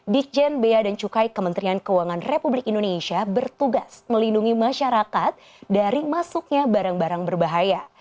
ditjen bea dan cukai kementerian keuangan republik indonesia bertugas melindungi masyarakat dari masuknya barang barang berbahaya